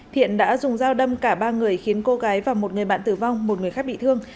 thiện đã dùng dao đâm cả ba người khiến cô gái và một người bạn tử vong một người khác bị thương